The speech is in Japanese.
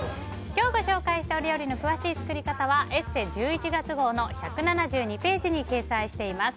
今日ご紹介したお料理の詳しい作り方は「ＥＳＳＥ」１１月号の１７２ページに掲載しています。